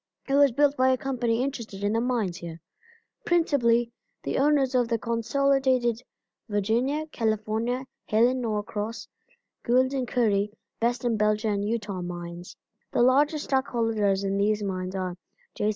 It was built by a company interested in the mines here, principally the owners of the Consolidated Virginia, California, Hale & Norcross, Gould & Curry, Best & Belcher and Utah mines. The largest stockholders in these mines are J.